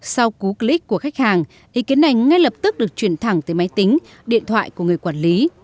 sau cú click của khách hàng ý kiến này ngay lập tức được chuyển thẳng tới máy tính điện thoại của người quản lý